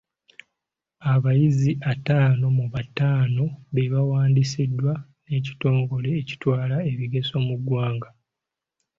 Abayizi attaano mu battaano be baawandiisibwa n'ekitongole ekitwala ebigezo mu ggwanga.